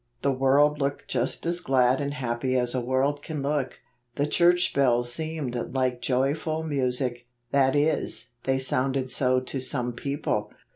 The world looked just as glad and happy as a world can look. The church bells seemed like joyful music; that is, they sounded so to some people.